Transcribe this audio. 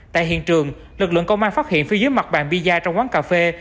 tại hiện trường lực lượng công an phát hiện phía dưới mặt bàn piza trong quán cà phê